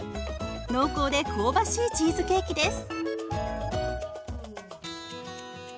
濃厚で香ばしいチーズケーキです。